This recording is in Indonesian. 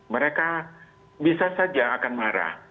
mereka bisa saja akan marah